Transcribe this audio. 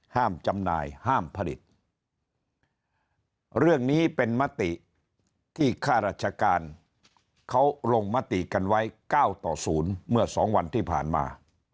จำหน่ายห้ามผลิตเรื่องนี้เป็นมติที่ค่าราชการเขาลงมติกันไว้๙ต่อ๐เมื่อ๒วันที่ผ่านมา